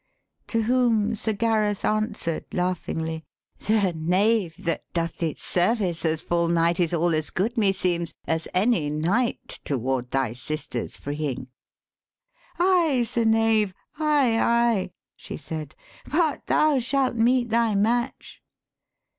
To whom Sir Gareth answer'd, laughingly, ' The knave that doth thee service as full knight Is all as good, meseems, as any knight Toward thy sister's freeing/ 'Ay, Sir Knave! Ay, ay,' she said, 'but thou shalt meet thy match.'